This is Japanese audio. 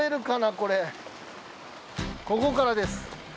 ここからです。